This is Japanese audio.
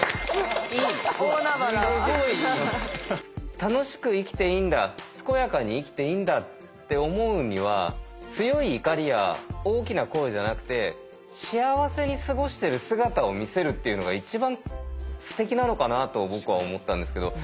楽しく生きていいんだ健やかに生きていいんだって思うには強い怒りや大きな声じゃなくて幸せに過ごしてる姿を見せるっていうのが一番すてきなのかなと僕は思ったんですけど。